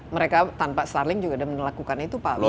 mereka tanpa starlink juga udah melakukan itu pak